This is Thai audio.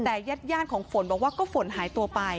แต่ญาติของฝนบอกว่าก็ฝนหายตัวไป